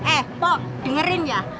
eh pok dengerin ya